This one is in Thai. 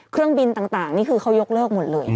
เครื่องบินต่างนี่คือเขายกเลิกหมดเลย